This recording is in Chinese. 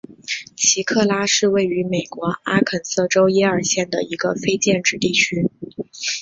奇克拉是位于美国阿肯色州耶尔县的一个非建制地区。